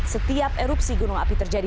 setiap erupsi gunung api terjadi